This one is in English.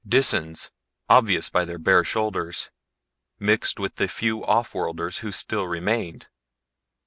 Disans, obvious by their bare shoulders, mixed with the few offworlders who still remained.